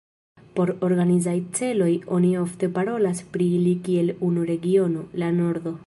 Por organizaj celoj, oni ofte parolas pri ili kiel unu regiono, La Nordo.